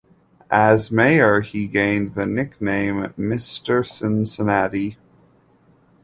As mayor, he gained the nickname "Mr. Cincinnati".